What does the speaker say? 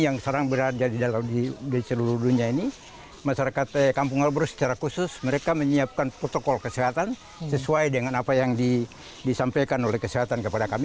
ya untuk menghadapi covid sembilan belas yang sedang berada di seluruh dunia ini masyarakat kampung arborek secara khusus mereka menyiapkan protokol kesehatan sesuai dengan apa yang disampaikan oleh kesehatan kepada kami